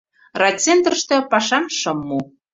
Райцентрыште пашам шым му.